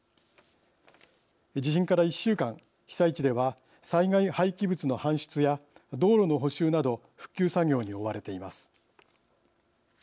地震から１週間被災地では災害廃棄物の搬出や道路の補修など復旧作業に追われています。